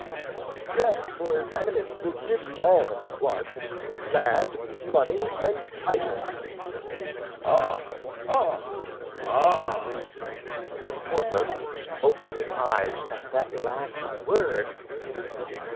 "Yes, for his eminence will give you all that you want—land, money, and titles." "Ah! ah! ah!" said Porthos, opening his eyes at that last word.